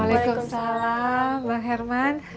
waalaikumsalam mbak herman waalaikumsalam mbak herman